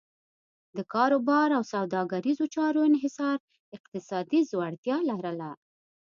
د کاروبار او سوداګریزو چارو انحصار اقتصادي ځوړتیا لرله.